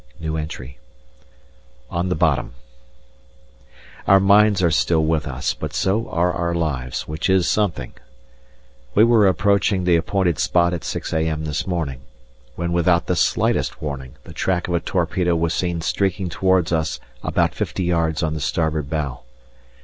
On the bottom. Our mines are still with us, but so are our lives, which is something. We were approaching the appointed spot at 6 a.m. this morning, when without the slightest warning the track of a torpedo was seen streaking towards us about 50 yards on the starboard bow.